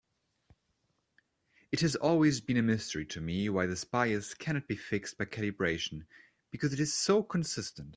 It has always been a mystery to me why this bias cannot be fixed by calibration, because it is so consistent.